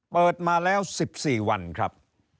เปิดมาแล้ว๑๔วันครับ